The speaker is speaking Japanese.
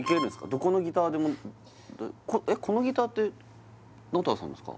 どこのギターでもえっこのギターって直太朗さんのですか？